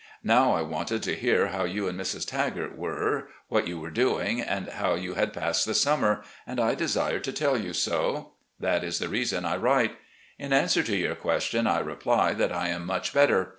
Now I wanted to hear how you and Mrs. Tagart were, what you were doing, and how you had passed the summer, and I desired to tell you so. That is the reason I write. In answer to your question, I reply that I am much better.